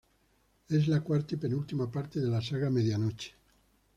Es la cuarta y penúltima parte de la saga Medianoche.